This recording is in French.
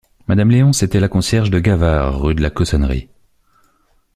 Madame Léonce était la concierge de Gavard, rue de la Cossonnerie.